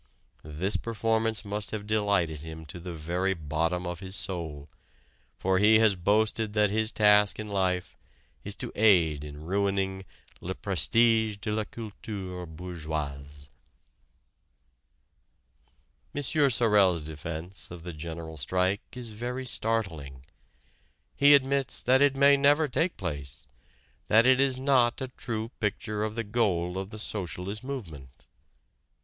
This performance must have delighted him to the very bottom of his soul, for he has boasted that his task in life is to aid in ruining "le prestige de la culture bourgeoise." M. Sorel's defence of the General Strike is very startling. He admits that it may never take place, that it is not a true picture of the goal of the socialist movement.